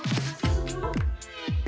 bagaimana cara membeli pulsa